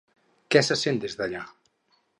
Què se sent des d'allà?